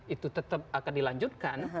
itu tetap akan dilanjutkan